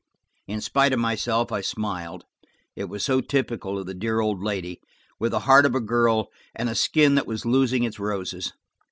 In spite of myself, I smiled; it was so typical of the dear old lady, with the heart of a girl and a skin that was losing its roses.